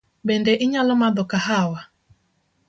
Bende inyalo madho kahawa?